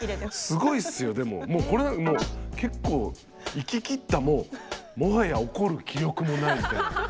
すごいっすよでもこれ結構行き切ったもうもはや怒る気力もないみたいな。